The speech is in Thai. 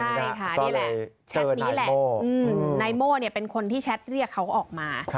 ก็เลยเจอนายโม่นายโม่เนี่ยเป็นคนที่แชทเรียกเขาออกมา